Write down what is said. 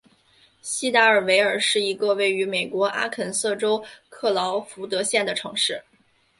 锡达尔维尔是一个位于美国阿肯色州克劳福德县的城市。